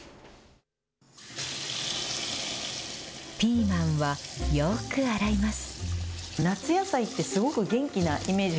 ピーマンはよく洗います。